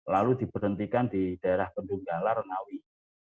lalu diberhentikan di daerah bendunggala renawi